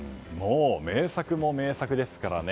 名作も名作ですからね。